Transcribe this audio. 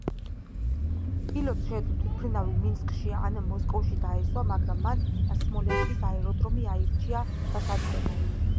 პილოტს შეეძლო თვითმფრინავი მინსკში ან მოსკოვში დაესვა, მაგრამ მან სმოლენსკის აეროდრომი არჩია დასაჯდომად.